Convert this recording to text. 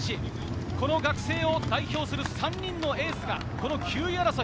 この学生を代表する３人のエースがこの９位争い。